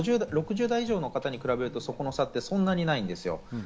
ただ６０代以上の方に比べると、そこの差はそんなにないんです。